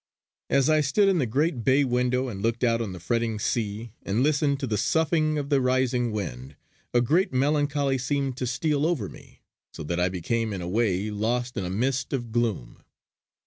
As I stood in the great bay window and looked out on the fretting sea, and listened to the soughing of the rising wind, a great melancholy seemed to steal over me, so that I became in a way lost in a mist of gloom.